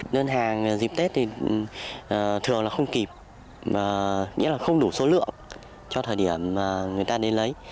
đơn hàng dịp tết thì thường là không kịp nghĩa là không đủ số lượng cho thời điểm mà người ta đến lấy